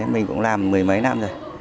mình cũng làm mười mấy năm rồi